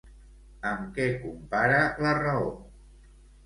Amb què compara la raó?